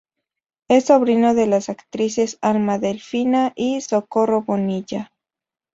Es sobrino de las actrices Alma Delfina y Socorro Bonilla.